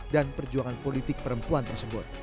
dan perjuangan politik perempuan tersebut